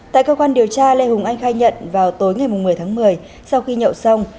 tại cơ quan điều tra lê hùng anh khai nhận vào tối ngày một mươi tháng một mươi sau khi nhậu xong